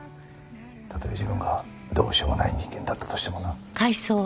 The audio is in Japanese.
たとえ自分がどうしようもない人間だったとしてもな。